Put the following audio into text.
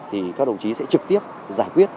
thì các đồng chí sẽ trực tiếp giải quyết